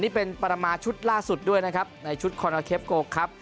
นี่เป็นประมาณชุดล่าสุดด้วยนะครับในชุดคอนาเคปโกครับ